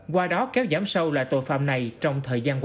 qua đó kéo giảm sâu lại tội phạm này trong thời gian qua